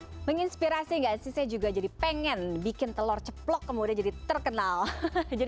hai menginspirasi gak sih juga jadi pengen bikin telur ceplok kemudian jadi terkenal jadi